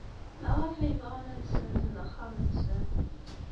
Maɣef ay bɣan ad ssenzen axxam-nsen?